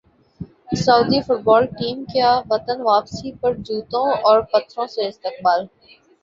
سعودی football team کا وطن واپسی پر جوتوں اور پتھروں سے استقبال